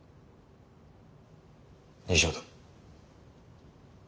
以上だ。